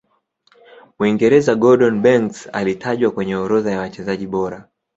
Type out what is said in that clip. mwingereza gordon Banks alitajwa kwenye orodha ya wachezaji bora